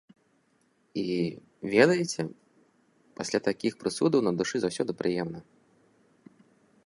І, ведаеце, пасля такіх прысудаў на душы заўсёды прыемна.